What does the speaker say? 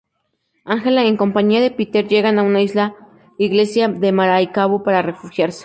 Angela en compañía de Peter llegan a una iglesia en Maracaibo para refugiarse.